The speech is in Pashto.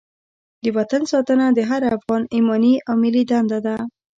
د وطن ساتنه د هر افغان ایماني او ملي دنده ده.